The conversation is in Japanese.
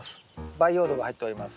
培養土が入っております。